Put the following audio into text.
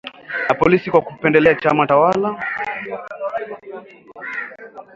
na polisi kwa kukipendelea chama tawala